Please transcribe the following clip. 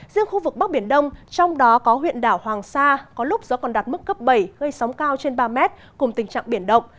riêng khu vực bắc biển đông trong đó có huyện đảo hoàng sa có lúc gió còn đặt mức cấp bảy gây sóng cao trên ba mét cùng tình trạng biển động